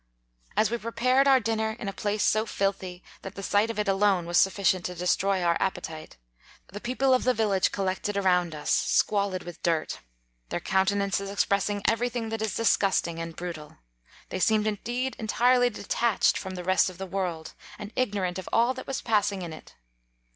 As we prepared our dinner in a place, so filthy that the sight of it alone was sufficient to destroy our appetite, the people of the village collected around us, squalid with dirt, their counte 24 nances expressing every thing that is disgusting and brutal. They seemed indeed entirely detached from the rest of the world, and ignorant of all that was passing in it.